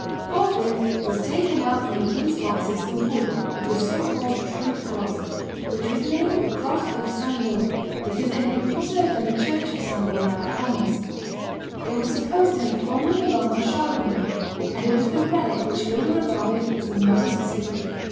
Forthwith was taken out from the king's boxes the wood of the so called true cross, which was named the cross of St. Laud, because it had been preserved in the church of St. Laud, at Angers. It was supposed to have formerly belonged to Charlemagne; and it was the relic which Louis regarded as the most sacred.